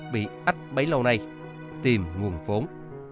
bị ách bấy lâu nay tìm nguồn phốn